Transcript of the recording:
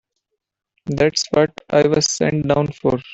That's what I was sent down for.